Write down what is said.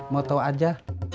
mau tau aja